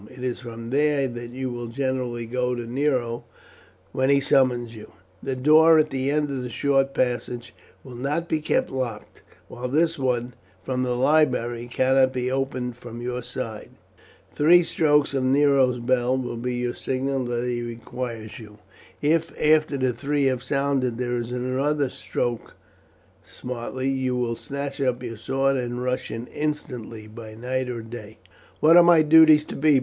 It is from there you will generally go to Nero when he summons you. That door at the end of the short passage will not be kept locked, while this one from the library cannot be opened from your side. Three strokes of Nero's bell will be the signal that he requires you. If after the three have sounded there is another struck smartly, you will snatch up your sword and rush in instantly by night or day." "What are my duties to be?"